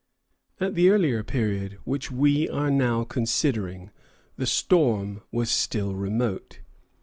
At the earlier period which we are now considering, the storm was still remote.